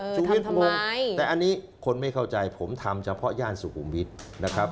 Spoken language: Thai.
โรงเรียนพงแต่อันนี้คนไม่เข้าใจผมทำเฉพาะย่านสุขุมวิทย์นะครับ